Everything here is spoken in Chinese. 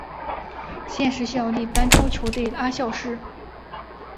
现时效力丹超球队阿晓士。